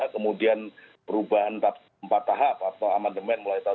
kemudian perubahan empat tahap atau amandemen mulai tahun dua ribu dua